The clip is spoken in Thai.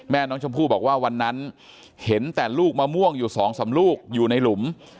แม่น้องชมพู่บอกว่าวันนั้นเห็นแต่ลูกมะม่วงอยู่สองสามลูกอยู่ในหลุม